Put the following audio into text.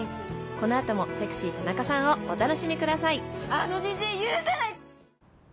この後も『セクシー田中さん』をお楽しみくださいえっ？